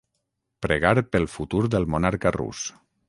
Pregar pel futur del monarca rus.